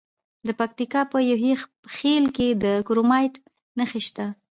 د پکتیکا په یحیی خیل کې د کرومایټ نښې شته.